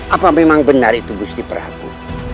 apa memang benar itu gusti prabu